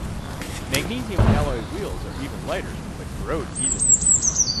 Magnesium alloy wheels are even lighter but corrode easily.